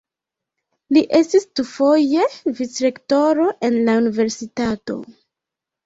Li estis dufoje vicrektoro en la universitato.